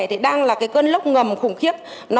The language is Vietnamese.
thì đang là cơn lốc ngầm khủng khiếp